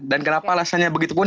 dan kenapa alasannya begitu pun